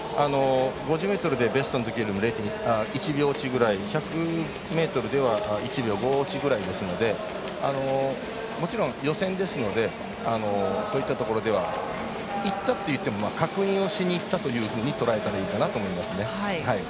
５０ｍでベストのときより０．１秒落ちくらい１００ｍでは１秒５落ちくらいですのでもちろん予選ですのでそういったところではいったといっても確認をしにいったととらえたらいいと思いますね。